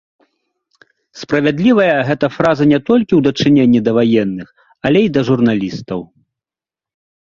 Справядлівая гэта фраза не толькі ў дачыненні да ваенных, але і да журналістаў.